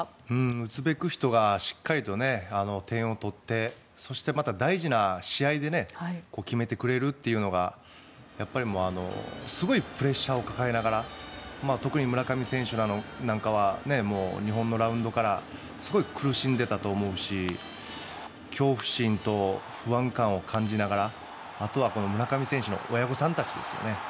打つべき人がしっかり点を取ってそしてまた、大事な試合で決めてくれるというのがやっぱりすごいプレッシャーを抱えながら特に村上選手なんかは日本のラウンドからすごい苦しんでいたと思うし恐怖心と不安感を感じながらあとは村上選手の親御さんたちですよね。